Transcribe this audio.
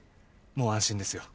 もう安心ですよ。